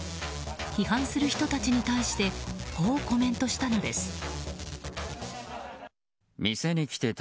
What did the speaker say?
批判する人たちに対してこうコメントしたのです。